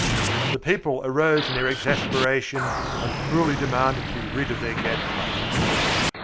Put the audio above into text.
The people arose in their exasperation and cruelly demanded to be rid of their gadfly.